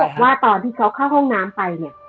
ว่าตอนที่เขาเข้าห้องน้ำไปเนี่ย